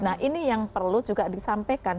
nah ini yang perlu juga disampaikan